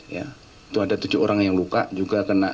itu ada tujuh orang yang luka juga kena